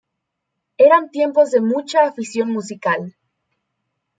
Eran tiempos de mucha afición musical.